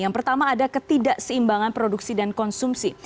yang pertama ada ketidakseimbangan produksi dan konsumsi